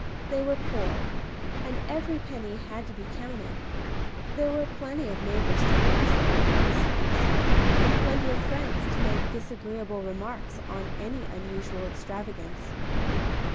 They were poor, and every penny had to be counted. There were plenty of neighbors to gossip and criticise, and plenty of friends to make disagreeable remarks on any unusual extravagance.